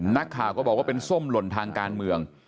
นักข่าวก็บอกว่าเป็นส้มหล่นทางการเมือง